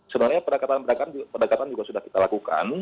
sebenarnya pendekatan juga sudah kita lakukan